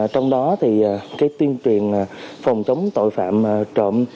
trong đó thì cái tuyên truyền phòng chống tội phạm trộm